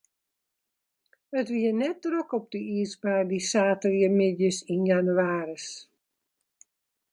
It wie net drok op de iisbaan, dy saterdeitemiddeis ein jannewaris.